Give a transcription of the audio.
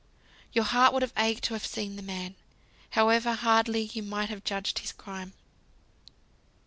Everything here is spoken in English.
Your heart would have ached to have seen the man, however hardly you might have judged his crime.